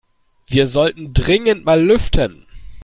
Wir sollten dringend mal lüften.